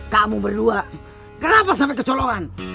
kamu berdua kenapa sampai kecolongan